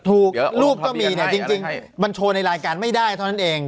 รูปก็มีเนี่ยจริงมันโชว์ในรายการไม่ได้เท่านั้นเอง